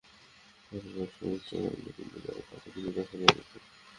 ঘরে প্রবেশের ইচ্ছে করলে তিনি তাঁর পা থেকে জুতা খুলে দিতেন।